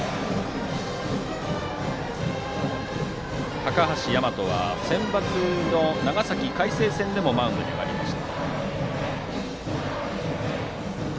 高橋大和はセンバツの長崎・海星戦でもマウンドに上がりました。